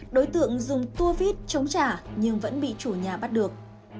đối tượng dùng tua vít chống trả nhưng vẫn bị chủ nhà bắt được